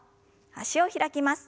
脚を開きます。